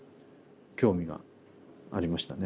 興味がありましたね。